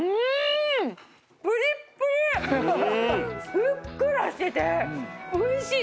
ふっくらしてて美味しいです！